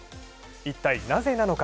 一体、ナゼなのか。